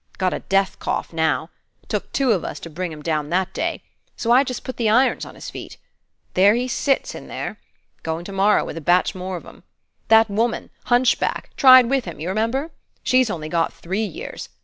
Got a death cough now. 'T took two of us to bring him down that day; so I just put the irons on his feet. There he sits, in there. Goin' to morrow, with a batch more of 'em. That woman, hunchback, tried with him, you remember? she's only got three years.